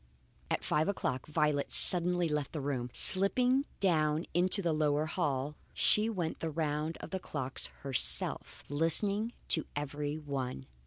At five o'clock Violet suddenly left the room. Slipping down into the lower hall, she went the round of the clocks herself, listening to every one.